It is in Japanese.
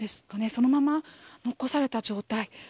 そのまま残された状態。